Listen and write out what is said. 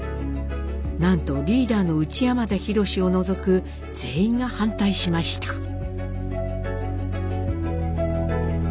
なんとリーダーの内山田洋を除く全員が反対しました。